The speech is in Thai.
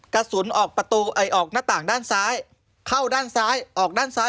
กระสุนออกประตูออกหน้าต่างด้านซ้ายเข้าด้านซ้ายออกด้านซ้าย